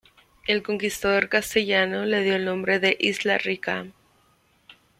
El conquistador castellano le dio el nombre de isla Rica.